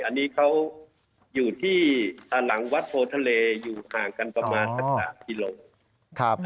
อันนี้เขาอยู่ที่หลังวัดโพทะเลอยู่ห่างกันประมาณสัก๓กิโลกรัม